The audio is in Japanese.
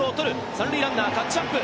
三塁ランナー、タッチアップ。